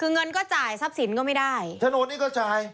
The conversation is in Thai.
คือเงินก็จ่ายทรัพย์สินก็ไม่ได้ถนนนี้ก็จ่าย